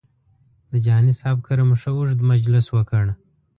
د جهاني صاحب کره مو ښه اوږد مجلس وکړ.